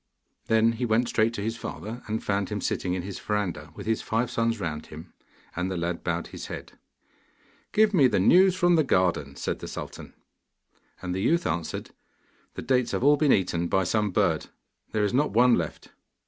Then he went straight to his father, and found him sitting in his verandah with his five sons round him; and the lad bowed his head. 'Give me the news from the garden,' said the sultan. And the youth answered, 'The dates have all been eaten by some bird: there is not one left.